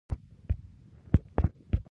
وحشي حیوانات د افغان ماشومانو د لوبو موضوع ده.